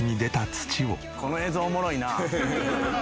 「この映像おもろいな」